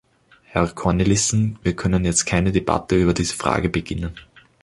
Herr Cornelissen, wir können jetzt keine Debatte über diese Frage beginnen.